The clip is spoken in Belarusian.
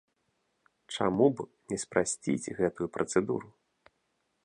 Чаму б не спрасціць гэтую працэдуру?